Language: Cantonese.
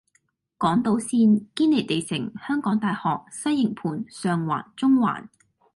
港島綫：堅尼地城，香港大學，西營盤，上環，中環